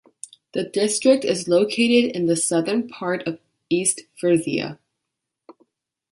The District is located in the southern part of East Frisia.